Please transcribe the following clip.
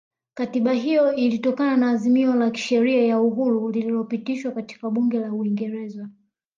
Katiba hiyo ilitokana na azimio la sheria ya uhuru lililopitishwa katika bunge la uingereza